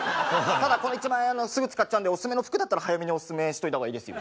ただこの１万円すぐ使っちゃうんでオススメの服だったら早めにオススメしといた方がいいですよ。